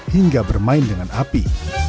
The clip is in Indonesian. hingga bermain dengan api